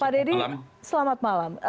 pak dedy selamat malam